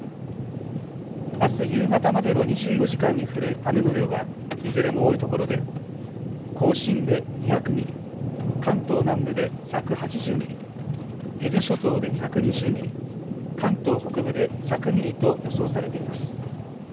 あす夕方までの２４時間に降る雨の量はいずれも多いところで甲信で２００ミリ、関東南部で１８０ミリ、伊豆諸島で１２０ミリ、関東北部で１００ミリと予想されています。